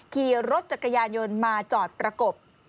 ขี่รถจักรยานยนต์มาจอดประกบ